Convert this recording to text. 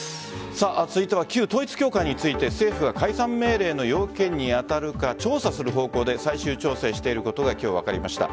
続いては旧統一教会について政府が解散命令の要件に当たるか調査する方向で最終調整していることが今日、分かりました。